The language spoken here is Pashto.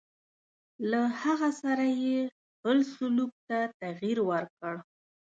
له هغه سره یې خپل سلوک ته تغیر ورکړ.